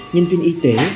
nhân viên y tế